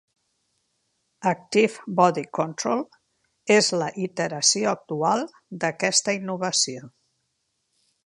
"Active Body Control" és la iteració actual d'aquesta innovació.